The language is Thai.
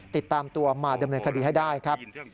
ติดตามตัวมาดำเนินคดีให้ได้ครับ